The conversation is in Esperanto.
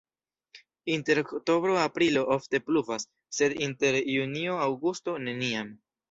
Inter oktobro-aprilo ofte pluvas, sed inter junio-aŭgusto neniam.